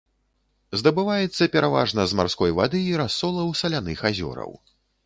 Здабываецца пераважна з марской вады і расолаў саляных азёраў.